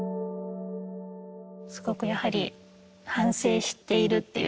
すごくやはり「反省している」っていう言葉をもらって。